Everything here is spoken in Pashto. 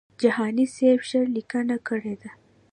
جهاني سیب ښه لیکنه کړې ده.